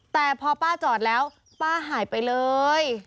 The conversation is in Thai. แต่พอป้าจอดแล้วป้าหายไปเลย